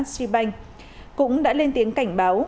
shb cũng đã lên tiếng cảnh báo